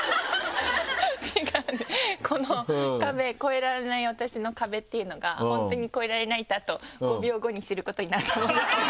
違うこの壁越えられない私の壁っていうのが本当に越えられないってあと５秒後に知ることになると思うんですけど。